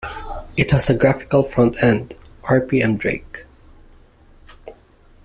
It has a graphical front-end: Rpmdrake.